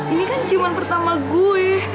ini kan ciuman pertama gue